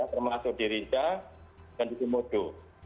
termasuk di rinca dan di komodo